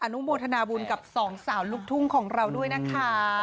นุโมทนาบุญกับสองสาวลูกทุ่งของเราด้วยนะคะ